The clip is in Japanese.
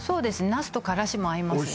ナスとからしも合いますね